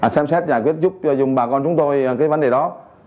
xem xét giải quyết giúp bà con chúng tôi cái vấn đề đó